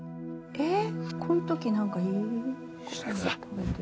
えっ！？